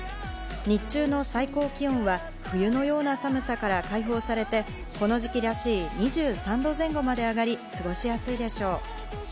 日中の最高気温は冬のような寒さから解放されて、この時期らしい２３度前後まで上がり、過ごしやすいでしょう。